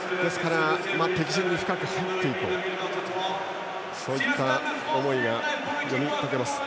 敵陣深くに入っていこうそういった思いが読み取れます。